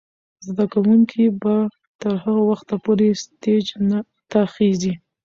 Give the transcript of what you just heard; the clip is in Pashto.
زده کوونکې به تر هغه وخته پورې سټیج ته خیژي.